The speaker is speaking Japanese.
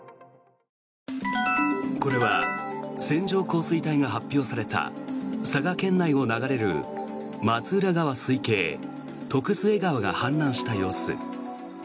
これは線状降水帯が発表された佐賀県内を流れる松浦川水系徳須恵川が氾濫した様子。